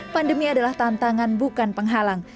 pandemi adalah tantangan bukan penghalang